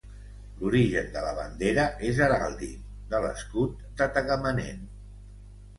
L'origen de la bandera és heràldic: de l'escut de Tagamanent.